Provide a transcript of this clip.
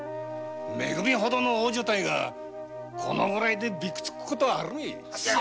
め組ほどの大所帯がこのぐらいでびくつく事はあるめえ。